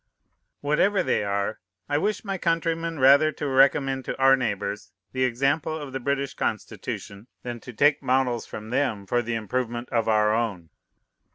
Whatever they are, I wish my countrymen rather to recommend to our neighbors the example of the British Constitution than to take models from them for the improvement of our own.